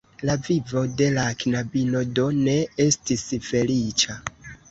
La vivo de la knabino, do, ne estis feliĉa.